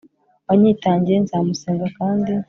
wanyitangiye, nzamusenga kandi